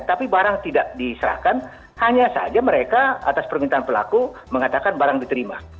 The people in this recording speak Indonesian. tapi barang tidak diserahkan hanya saja mereka atas permintaan pelaku mengatakan barang diterima